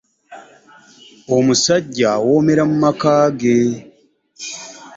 Omusajja awoomera mu maka ge.